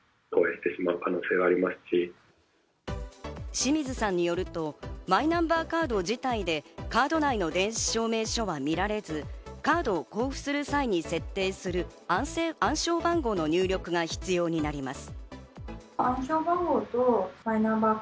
清水さんによるとマイナンバーカード自体でカード内の電子証明書は見られずカードを交付する際に設定する暗証番号の入力が必要になります。